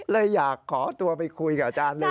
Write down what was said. เลยอยากขอตัวไปคุยกับอาจารย์หน่อยใช่ไหม